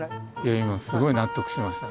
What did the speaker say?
いや今すごい納得しました。